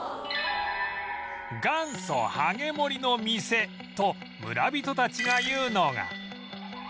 元祖はげ盛の店と村人たちが言うのが芳味亭